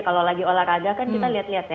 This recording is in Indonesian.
kalau lagi olahraga kan kita lihat lihat ya